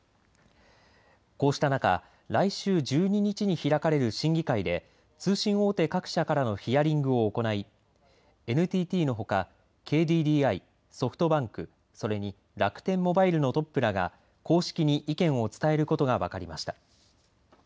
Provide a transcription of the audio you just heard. こうした中、来週１２日に開かれる審議会で通信大手各社からのヒアリングを行いＮＴＴのほか、ＫＤＤＩソフトバンク、それに楽天モバイルのトップらが公式に意見を伝えることが分かりました。